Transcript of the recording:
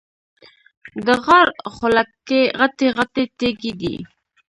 د غار خوله کې غټې غټې تیږې دي.